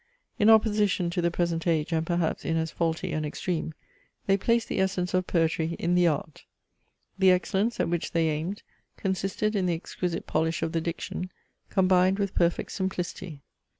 In opposition to the present age, and perhaps in as faulty an extreme, they placed the essence of poetry in the art. The excellence, at which they aimed, consisted in the exquisite polish of the diction, combined with perfect simplicity.